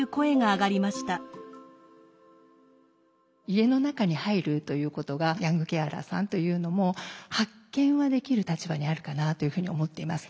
家の中に入るということがヤングケアラーさんというのも発見はできる立場にあるかなというふうに思っています。